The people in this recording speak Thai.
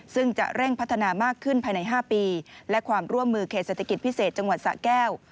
ซึ่งจะเร่งพัฒนามากขึ้นภายใน๕ปีและความร่วมมือเขตเศรษฐกิจพิเศษจังหวัดสะแก้ว